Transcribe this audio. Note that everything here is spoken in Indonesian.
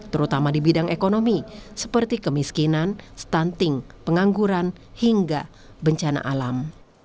terutama di bidang ekonomi seperti kemiskinan stunting pengangguran hingga bencana alam